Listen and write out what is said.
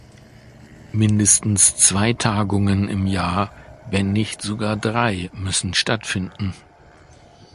Mindestens zwei Tagungen im Jahr, wenn nicht sogar drei müssen stattfinden.